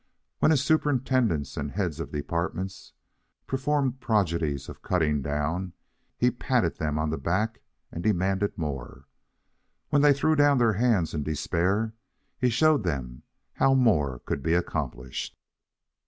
When his superintendents and heads of departments performed prodigies of cutting down, he patted them on the back and demanded more. When they threw down their hands in despair, he showed them how more could be accomplished.